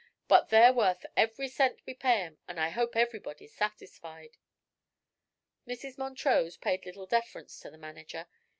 But they're worth every cent we pay 'em and I hope ev'rybody's satisfied." Mrs. Montrose paid little deference to the manager.